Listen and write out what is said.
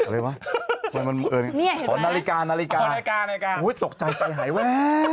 เฮ้ยอะไรวะนาฬิกาโอ้ยตกใจใจหายวะ